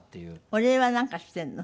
お礼はなんかしているの？